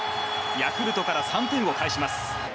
ヤクルトから３点を返します。